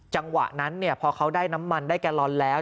จังหวะนั้นพอเขาได้น้ำมันได้แกลลอนแล้ว